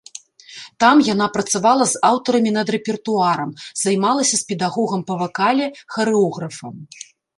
Там яна працавала з аўтарамі над рэпертуарам, займалася з педагогам па вакале, харэографам.